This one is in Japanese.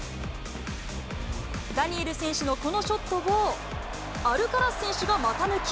ダニエル選手のこのショットを、アルカラス選手が股抜き。